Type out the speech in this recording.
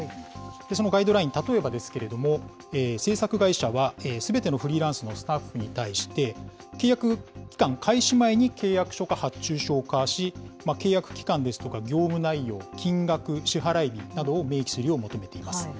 そのガイドライン、例えばですけれども、制作会社は、すべてのフリーランスのスタッフに対して、契約期間開始前に契約書か発注書を交わし、契約期間ですとか、業務内容、金額、支払い日などを明記するよう求めています。